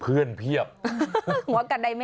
เพื่อนเอาของมาฝากเหรอคะเพื่อนมาดูลูกหมาไงหาถึงบ้านเลยแหละครับ